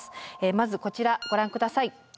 まずこちらご覧ください。